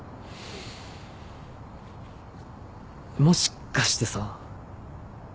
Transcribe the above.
もしかしてさ。